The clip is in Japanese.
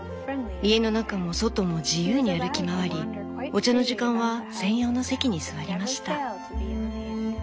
家の中も外も自由に歩き回りお茶の時間は専用の席に座りました」。